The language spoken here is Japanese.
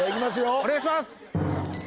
お願いします！